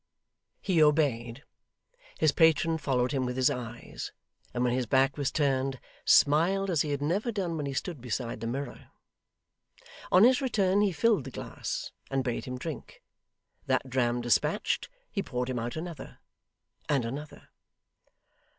He obeyed. His patron followed him with his eyes, and when his back was turned, smiled as he had never done when he stood beside the mirror. On his return he filled the glass, and bade him drink. That dram despatched, he poured him out another, and another.